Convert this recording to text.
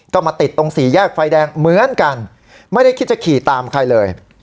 ก็มาติดตรงสี่แยกไฟแดงเหมือนกันไม่ได้คิดจะขี่ตามใครเลย